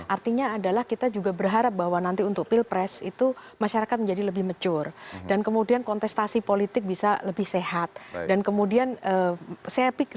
artinya adalah kita juga berharap bahwa nanti untuk pil pres itu masyarakat menjadi lebih mature dan kemudian kontestasi politik bisa lebih sehat dan kemudian saya memiliki optimisme yah terhadap maturity dari masyarakat m meninganggapi katakala mungkin antara noise dengan voice yang beredar di media itu